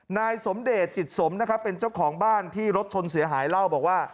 นายสมเดชจิตสมนะครับเป็นเจ้าของบ้านที่รถชนเสียหายเล่าบอกว่า